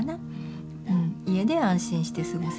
家で安心して過ごせるっていう。